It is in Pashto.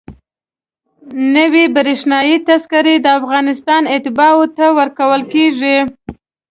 نوې برېښنایي تذکره د افغانستان اتباعو ته ورکول کېږي.